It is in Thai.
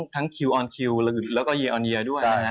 ทั้งคิวออนคิวแล้วก็เยียร์ออนเยียร์ด้วย